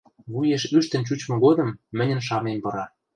Вуеш ӱштӹн чучмы годым мӹньӹн шамем пыра.